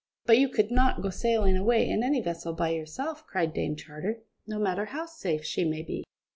"But you could not go sailing away in any vessel by yourself," cried Dame Charter, "no matter how safe she may be."